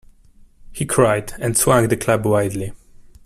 He cried, and swung the club wildly.